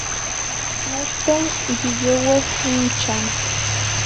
Nochten yi youeh inchan